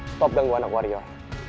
stop ganggu anak warrior